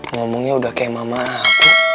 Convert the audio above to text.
ngomongnya udah kayak mama aku